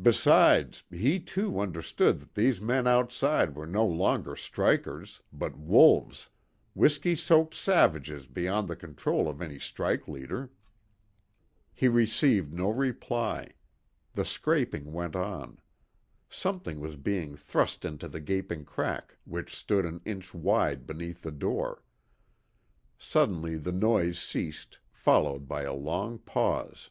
Besides, he, too, understood that these men outside were no longer strikers, but wolves, whiskey soaked savages beyond the control of any strike leader. He received no reply. The scraping went on. Something was being thrust into the gaping crack which stood an inch wide beneath the door. Suddenly the noise ceased, followed by a long pause.